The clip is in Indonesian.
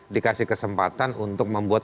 dikasih kesempatan untuk membuat